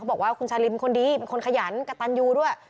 เขาบอกว่าคุณชาลีนมันคนดีมันคนขยันกระตานยูด้วย